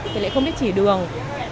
thì lại không biết chỉ đường